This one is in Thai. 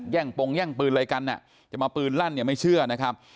่งปงแย่งปืนอะไรกันจะมาปืนลั่นเนี่ยไม่เชื่อนะครับ